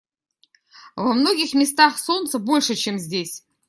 Во многих местах солнца больше, чем здесь.